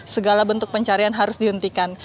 segala bentuk pencarian harus dihentikan